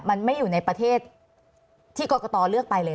มันไม่อยู่ในประเทศที่กรกตเลือกไปเลย